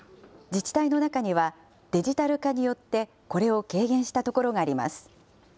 自治体の中には、デジタル化によって、これを軽減したところがあります。